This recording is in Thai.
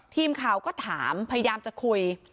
ทีมข่าวก็ถามพยายามจะคุย